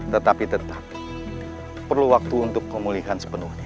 tetapi tetap perlu waktu untuk pemulihan sepenuhnya